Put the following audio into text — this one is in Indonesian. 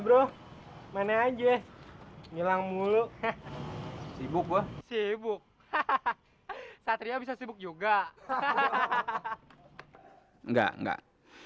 bro mana aja nyelang mulu sibuk hahaha satria bisa sibuk juga hahaha enggak